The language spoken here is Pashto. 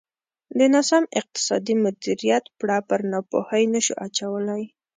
د ناسم اقتصادي مدیریت پړه پر ناپوهۍ نه شو اچولای.